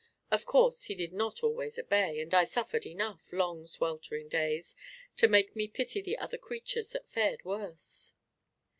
Of course, he did not always obey, and I suffered enough, long sweltering days, to make me pity the other creatures that fared worse.